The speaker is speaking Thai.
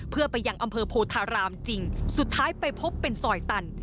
เพื่อไปยังอำเภอโพธารามจริงสุดท้ายไปพบเป็นซอยตัน